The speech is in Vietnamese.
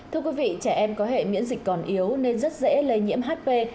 thưa quý vị trẻ em có hệ miễn dịch còn yếu nên rất dễ lây nhiễm hp